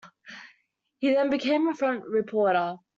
He then became a front reporter.